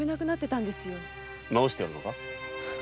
治してやるのか？